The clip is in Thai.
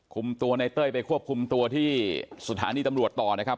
คุมตัวในเต้ยไปควบคุมตัวที่สถานีตำรวจต่อนะครับ